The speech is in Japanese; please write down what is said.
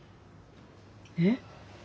えっ？